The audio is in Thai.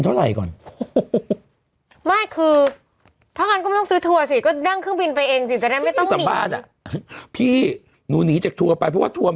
จะได้ไม่ต้องหนีชิคกี้พายสัมบัติอ่ะพี่หนูหนีจากทัวร์ไปเพราะว่าทัวร์